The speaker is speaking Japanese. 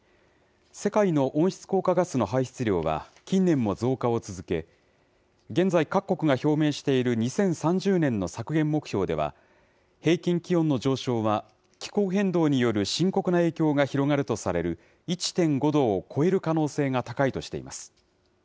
世界の温室効果ガスの排出量は、近年も増加を続け、現在、各国が表明している２０３０年の削減目標では、平均気温の上昇は、気候変動による深刻な影響が広がるとされる、１．５度を超える可能性が高いとしています。